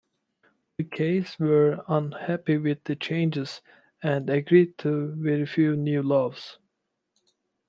The Keys were unhappy with the changes, and agreed to very few new laws.